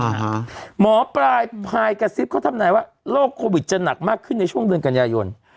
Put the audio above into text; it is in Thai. หมอปลายพายกระซิบเขาทำนายว่าโรคโควิดจะหนักมากขึ้นในช่วงเดือนกันยายน